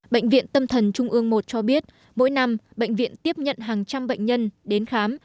bệnh viện tâm thần trung ương một cho biết mỗi năm bệnh viện tiếp nhận hàng trăm bệnh nhân đến khám